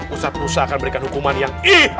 ustadz ustadz akan berikan hukuman yang